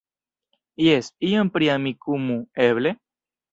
Jes, ion pri Amikumu, eble?